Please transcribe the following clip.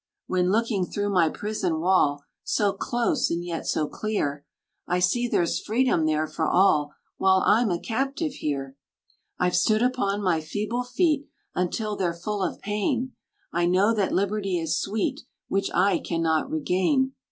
"When looking through my prison wall, So close, and yet so clear, I see there's freedom there for all, While I'm a captive here. "I've stood upon my feeble feet Until they're full of pain. I know that liberty is sweet, Which I cannot regain.